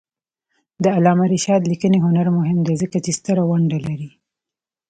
د علامه رشاد لیکنی هنر مهم دی ځکه چې ستره ونډه لري.